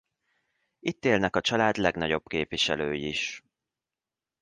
Itt élnek a család legnagyobb képviselői is.